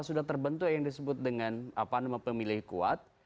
sudah terbentuk yang disebut dengan pemilih kuat